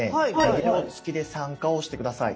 「ビデオ付きで参加」を押して下さい。